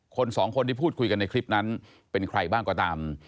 สองคนที่พูดคุยกันในคลิปนั้นเป็นใครบ้างก็ตาม